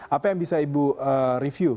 apa yang bisa ibu review